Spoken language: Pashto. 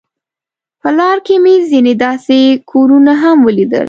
په لار کې مې ځینې داسې کورونه هم ولیدل.